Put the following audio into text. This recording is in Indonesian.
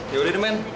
ya udah nih men